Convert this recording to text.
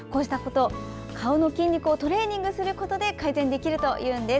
顔の筋肉をトレーニングすることで改善できるというんです。